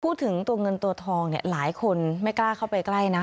พูดถึงตัวเงินตัวทองเนี่ยหลายคนไม่กล้าเข้าไปใกล้นะ